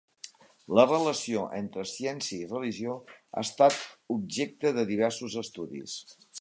La relació entre ciència i religió ha estat objecte de diversos estudis.